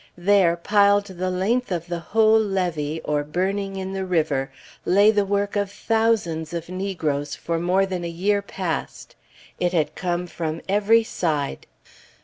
There, piled the length of the whole levee, or burning in the river, lay the work of thousands of negroes for more than a year past. It had come from every side.